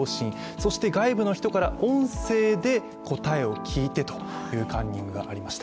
そして外部の人から音声で答えを聞いてというカンニングがありました。